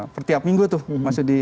pertiap minggu tuh mas yudi